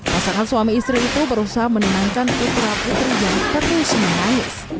pasangan suami istri itu berusaha menenangkan ukuran ukuran yang ketelusuran